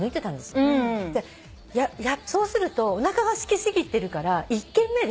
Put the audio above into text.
そうするとおなかがすきすぎてるから１軒目で。